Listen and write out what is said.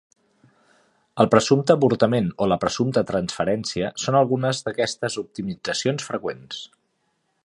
El "presumpte avortament" o la "presumpta transferència" són algunes d'aquestes optimitzacions freqüents.